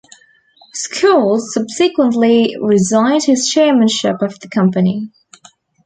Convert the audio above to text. Schulze subsequently resigned his chairmanship of the company.